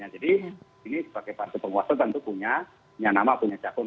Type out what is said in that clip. jadi ini sebagai partai penguasa tentu punya nama punya jagoan